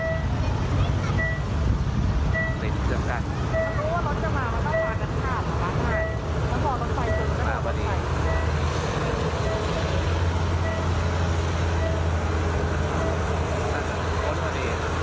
ปิดรถจำกัด